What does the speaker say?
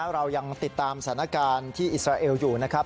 เรายังติดตามสถานการณ์ที่อิสราเอลอยู่นะครับ